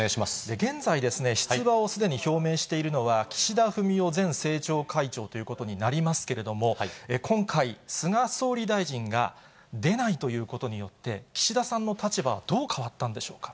現在ですね、出馬をすでに表明しているのは、岸田文雄前政調会長ということになりますけれども、今回、菅総理大臣が出ないということによって、岸田さんの立場はどう変わったんでしょうか。